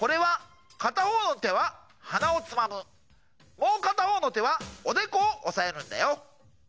もうかたほうのてはおでこをおさえるんだよ。